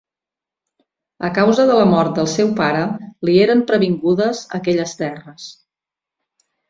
A causa de la mort del seu pare li eren pervingudes aquelles terres.